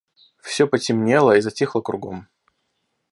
Все потемнело и затихло кругом.